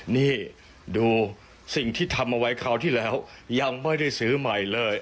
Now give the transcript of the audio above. นี่ดูสิ่งที่ทำเอาไว้คราวที่แล้วยังไม่ได้ซื้อใหม่เลย